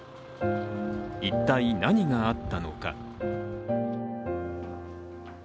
一体、何があったのか。